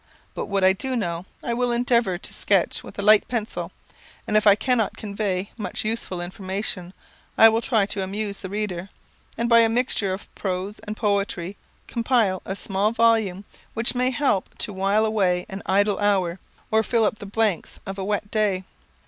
But what I do know I will endeavour to sketch with a light pencil; and if I cannot convey much useful information, I will try to amuse the reader; and by a mixture of prose and poetry compile a small volume, which may help to while away an idle hour, or fill up the blanks of a wet day.